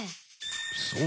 そう。